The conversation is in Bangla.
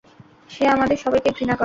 সে আমাদের সবাইকে ঘৃণা করে।